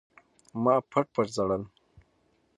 ما پټ پټ ژړل.